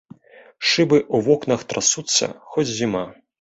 Шыбы ў вокнах трасуцца, хоць зіма.